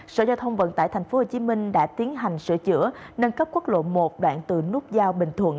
sở giao thông vận tải tp hcm đã tiến hành sửa chữa nâng cấp quốc lộ một đoạn từ nút giao bình thuận